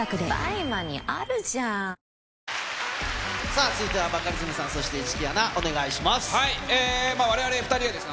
さあ続いては、バカリズムさん、そして市來アナ、お願いします。